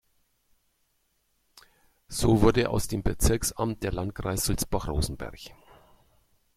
So wurde aus dem Bezirksamt der Landkreis Sulzbach-Rosenberg.